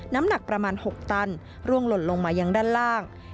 น้ำหนักประมาณ๖ตันร่วงหล่นลงมายังด้านล่าง